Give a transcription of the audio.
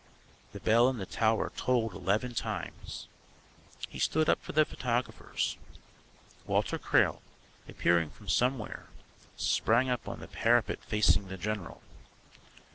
The bell in the tower tolled eleven times. He stood up for the photographers. Walter Crail, appearing from somewhere, sprang up on the parapet facing the general.